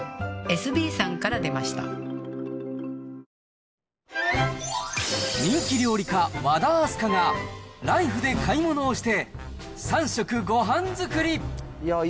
だって超楽ですよ、人気料理家、和田明日香がライフで買い物をして、３食ごはん作り。